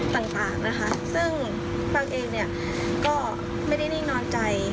ซึ่งปังเองเนี่ยก็ไม่ได้นิ่งนอนใจ